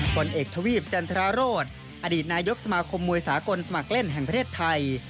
ผลเอกทวีปจันทราโรธอดีตนายกสมาคมมวยสากลสมัครเล่นแห่งประเทศไทย